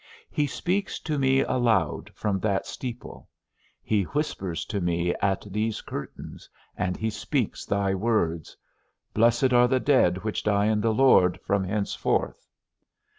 He speaks to me aloud from that steeple; he whispers to me at these curtains, and he speaks thy words: Blessed are the dead which die in the Lord from henceforth.